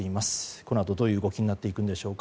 このあと、どういう動きになっていくんでしょうか。